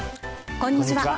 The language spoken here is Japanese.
こんにちは。